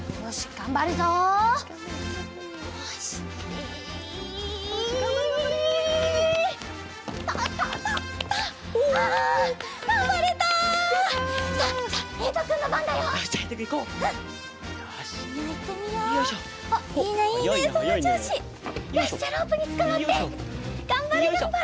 がんばれがんばれ！